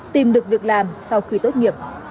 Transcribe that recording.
tìm được việc làm sau khi tốt nghiệp